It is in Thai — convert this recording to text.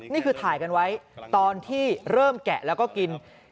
นี่คือถ่ายกันไว้ตอนที่เริ่มแกะแล้วก็กิน